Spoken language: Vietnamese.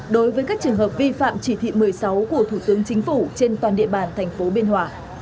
đối với các trường hợp vi phạm chỉ thị một mươi sáu của thủ tướng chính phủ trên toàn địa bàn thành phố biên hòa